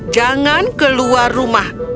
jangan keluar rumah